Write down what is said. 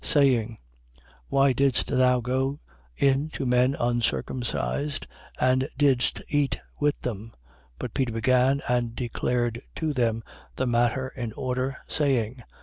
Saying: Why didst thou go in to men uncircumcised and didst eat with them? 11:4. But Peter began and declared to them the matter in order, saying: 11:5.